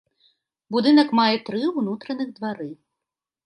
Будынак мае тры ўнутраных двары.